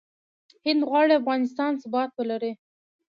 هند غواړي افغانستان ثبات ولري.